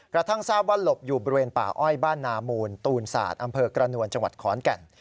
กระทั่งทราบว่าหลบอยู่บริเวณป่าอ้อยบ้านนามูลตูนศาสตร์อำเภอกระนวลจังหวัดขอนแก่น